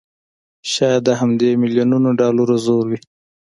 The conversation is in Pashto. شايد د همدې مليونونو ډالرو زور وي